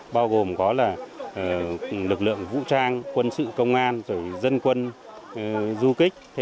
bao gồm có lực lượng vũ trang quân sự công an dân quân du kích